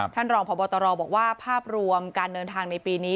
ท่านรองพบตรบอกว่าภาพรวมการเดินทางในปีนี้